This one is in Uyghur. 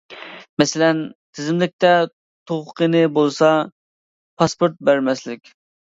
مەسىلەن تىزىملىكتە تۇغقىنى بولسا پاسپورت بەرمەسلىك.